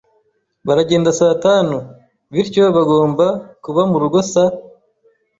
Baragenda saa tanu, bityo bagomba kuba murugo saa .